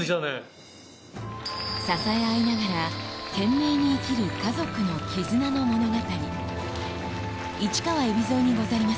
支え合いながら懸命に生きる家族の絆の物語